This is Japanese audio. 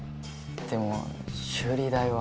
でも修理代は。